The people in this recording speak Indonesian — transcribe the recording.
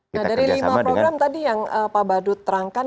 nah dari lima program tadi yang pak badut terangkan